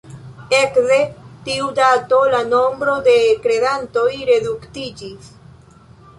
Ekde tiu dato la nombro de kredantoj reduktiĝis.